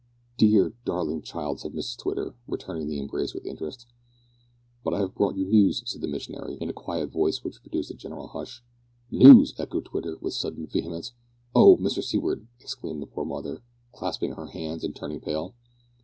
"Dear, darling child," said Mrs Twitter, returning the embrace with interest. "But I have brought you news," said the missionary, in a quiet voice which produced a general hush. "News!" echoed Twitter with sudden vehemence. "Oh! Mr Seaward," exclaimed the poor mother, clasping her hands and turning pale.